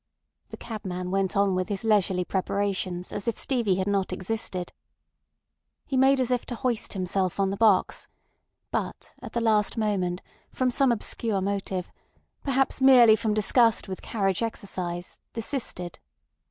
The cabman went on with his leisurely preparations as if Stevie had not existed. He made as if to hoist himself on the box, but at the last moment from some obscure motive, perhaps merely from disgust with carriage exercise, desisted.